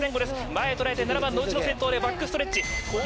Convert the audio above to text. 前捉えて７番の内野先頭でバックストレッチ。